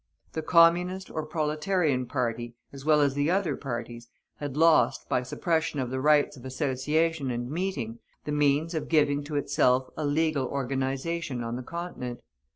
The Communist or Proletarian party, as well as other parties, had lost, by suppression of the rights of association and meeting, the means of giving to itself a legal organization on the Continent.